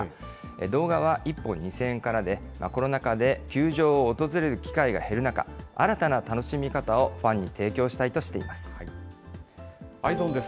動画は１本２０００円からで、コロナ禍で休場を訪れる機会が減る中、新たな楽しみ方をファンにＥｙｅｓｏｎです。